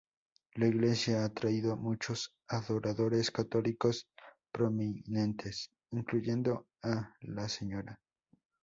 La iglesia ha atraído a muchos adoradores católicos prominentes, incluyendo a la sra.